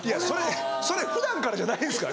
それ普段からじゃないんですか